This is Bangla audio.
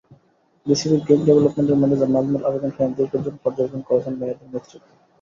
বিসিবির গেম ডেভেলপমেন্টের ম্যানেজার নাজমুল আবেদীন ফাহিম দীর্ঘদিন পর্যবেক্ষণ করেছেন মেহেদীর নেতৃত্ব।